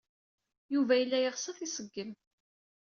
Yuba yella yeɣs ad t-iṣeggem.